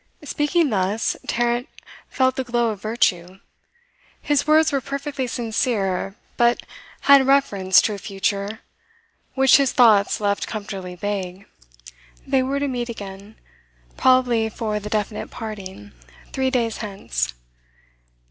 Speaking thus, Tarrant felt the glow of virtue. His words were perfectly sincere, but had reference to a future which his thoughts left comfortably vague. They were to meet again, probably for the definite parting, three days hence.